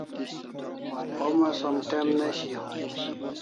Homa som t'em ne shiau